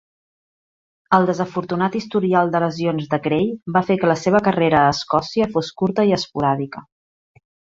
El desafortunat historial de lesions de Gray va fer que la seva carrera a Escòcia fos curta i esporàdica.